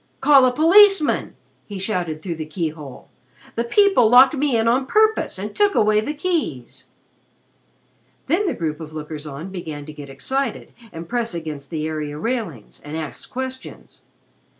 "Call a policeman!" he shouted through the keyhole. "The people locked me in on purpose and took away the keys." Then the group of lookers on began to get excited and press against the area railings and ask questions.